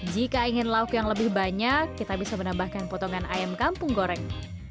jika ingin lauk yang lebih banyak kita bisa menambahkan potongan ayam kampung goreng